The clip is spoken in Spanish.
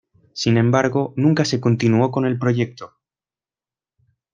Sin embargo, nunca se continuó con el proyecto.